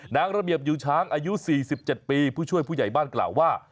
นางระเบียบอยู่ช้างอายุ๔๗ปีผู้ช่วยผู้ใหญ่บ้านกล่าวว่า